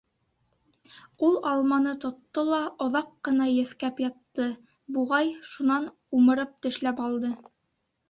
Ул алманы тотто ла оҙаҡ ҡына еҫкәп ятты, буғай, шунан умырып тешләп алды.